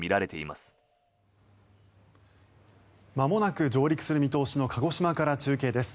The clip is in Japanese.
まもなく上陸する見通しの鹿児島から中継です。